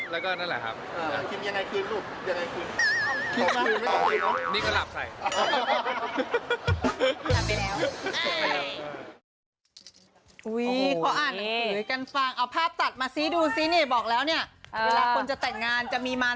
แล้วก็ก่อนนอนปุ๊บปิดไฟผมก็จะไปออกแก้มเท้า